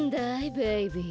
ベイビー。